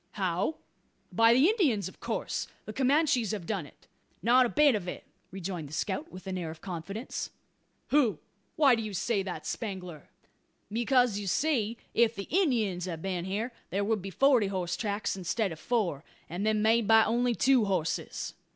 "How! by the Indians, of course? The Comanches have done it?" "Not a bit of it," rejoined the scout, with an air of confidence. "Hu! why do you say that, Spangler?" "Because, you see, if the Indyins had a been here, there would be forty horse tracks instead of four, and them made by only two horses."